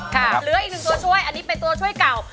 เหลืออีกหนึ่งตัวช่วยอันนี้เป็นตัวช่วยเก่า